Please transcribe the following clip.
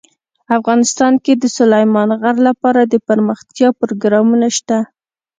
افغانستان کې د سلیمان غر لپاره دپرمختیا پروګرامونه شته.